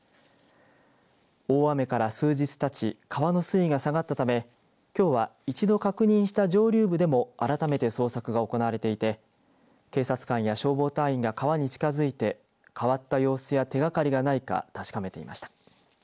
大雨から数日たち川の水位が下がったためきょうは一度確認した上流部でも改めて捜索が行われていて警察官や消防隊員が川に近づいて変わった様子や手がかりがないか確かめていました。